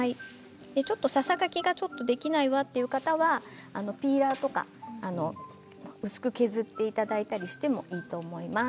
ささがきがちょっとできないわという方はピーラーとか薄く削っていただいたりしてもいいと思います。